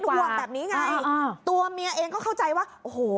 ห่วงแบบนี้ไงตัวเมียเองก็เข้าใจว่าโอ้โห